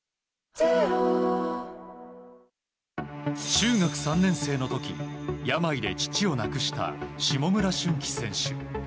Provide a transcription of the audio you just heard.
中学３年生の時病で父を亡くした下村駿季選手。